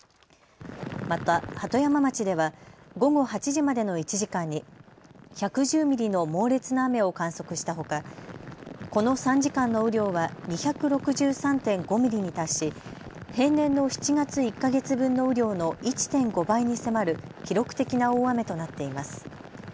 また鳩山町では午後８時までの１時間に１１０ミリの猛烈な雨を観測したほかこの３時間の雨量は２６３．５ミリに達し平年の７月１か月分の雨量の１．５倍に迫る記録的な大雨となっています。